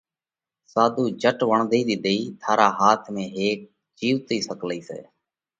ساڌُو جھٽ وۯڻڌئِي ۮِيڌئِي: ٿارا هاٿ ۾ هيڪ جِيوَتئِي سڪلئِي سئہ،